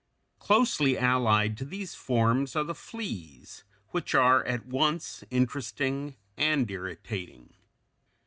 ] Closely allied to these forms are the fleas (Fig. 228), which are at once interesting and irritating.